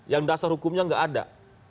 yang dasar hukumnya nggak ada